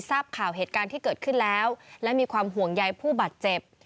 ทราบข่าวเหตุการณ์ที่เกิดขึ้นแล้วและมีความห่วงใยผู้บาดเจ็บ